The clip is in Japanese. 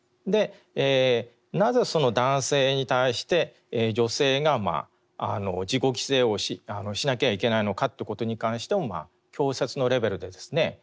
なぜその男性に対して女性が自己犠牲をしなきゃいけないのかということに関しても教説のレベルでですね